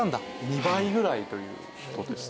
２倍ぐらいという事ですね。